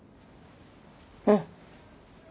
うん。